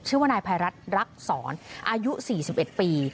ชื่อว่านายภัยรัฐรักษรอายุ๔๑ปี